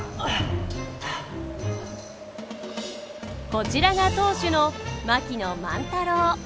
こちらが当主の槙野万太郎。